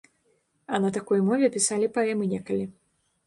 А на такой мове пісалі паэмы некалі.